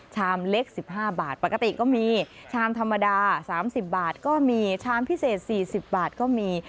ชามเล็ก๑๕บาทปกติก็มีชามธรรมดา๓๐บาทก็มีชามพิเศษ๔๐บาทก็มี